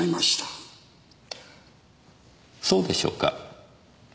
そうでしょうか？